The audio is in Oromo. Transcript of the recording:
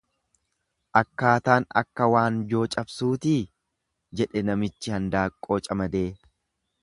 Akkaataan akka waanjoo cabsuutii? jedhe namichi hindaanqoo camadee.